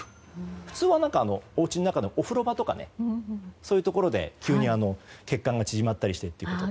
普通は、おうちの中のお風呂場とかそういうところで急に血管が縮まったりしてということで。